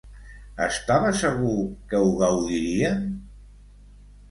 Estava segur que ho gaudirien?